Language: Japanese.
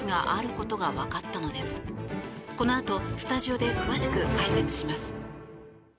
このあとスタジオで詳しく解説します。